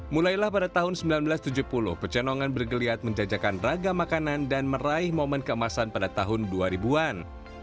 mulailah pada tahun seribu sembilan ratus tujuh puluh pecenongan bergeliat menjajakan raga makanan dan meraih momen keemasan pada tahun dua ribu an